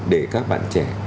để các bạn trẻ